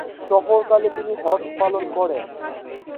সফরকালে তিনি হজ পালন করেন।